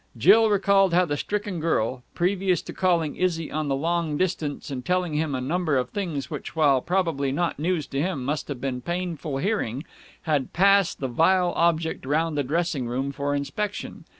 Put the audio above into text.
Jill recalled how the stricken girl previous to calling Izzy on the long distance and telling him a number of things which, while probably not news to him, must have been painful hearing had passed the vile object round the dressing room for inspection.